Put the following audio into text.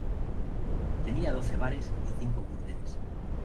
Tenía doce bares y cinco burdeles.